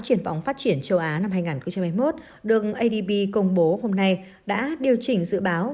triển vọng phát triển châu á năm hai nghìn hai mươi một được adb công bố hôm nay đã điều chỉnh dự báo